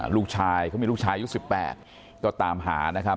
ถึงลูกชายยูป๑๘ตามหา